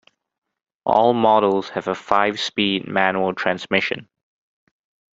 All models have a five-speed manual transmission.